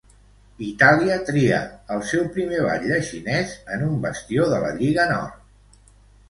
Itàlia tria el seu primer batlle xinès en un bastió de la Lliga Nord.